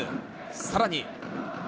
さらに。